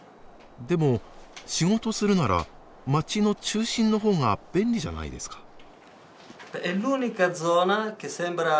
でも仕事するなら街の中心の方が便利じゃないですか？